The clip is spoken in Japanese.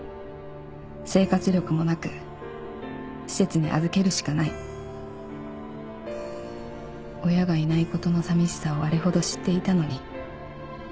「生活力もなく施設に預けるしかない」「親がいないことのさみしさをあれほど知っていたのに」